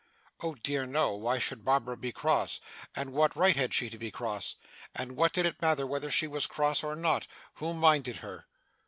Oh dear no! Why should Barbara be cross? And what right had she to be cross? And what did it matter whether she was cross or not? Who minded her!